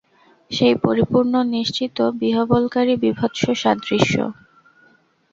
সেই পরিপূর্ণ, নিশ্চিত, বিহ্বলকারী, বীভৎস সাদৃশ্য।